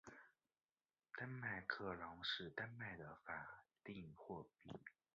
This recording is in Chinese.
丹麦克朗是丹麦的法定货币。